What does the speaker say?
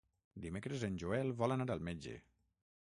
Dimecres en Joel vol anar al metge.